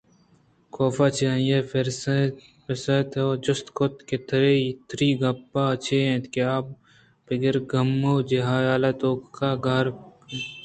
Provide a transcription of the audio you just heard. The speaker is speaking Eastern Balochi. کافءَ چہ آئیءَ پرس اِت ءُجست کُت کہ تُری گپ چے اِنت کہ آ پگرے گم ءُحیالے ءِ توک ءَ گار اِنت